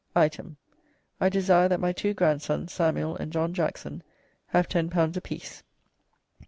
"Item. I desire that my two grandsons, Samuell and John Jackson, have ten pounds a piece.